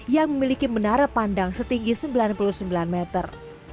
yang memiliki menara pandang setinggi sembilan puluh sembilan meter